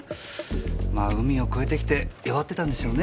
まぁ海を越えてきて弱ってたんでしょうね。